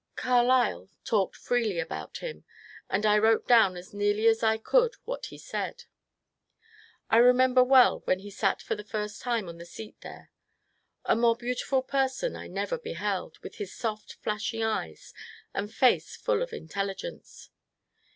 Carlyle talked freely aboat him, and I wrote down as nearly as I could what he said. I remember well when he sat for the first time on the seat there. A more beautiful person I never beheld, with his soft flashing eyes and face full of intelligence.